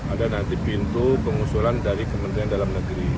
ada nanti pintu pengusulan dari kementerian dalam negeri